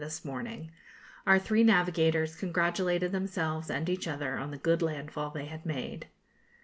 this morning, our three navigators congratulated themselves and each other on the good land fall they had made.